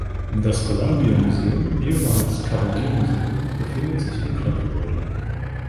Das Columbia Museum, ehemals Cavalier Museum, befindet sich im Knapp-Gebäude.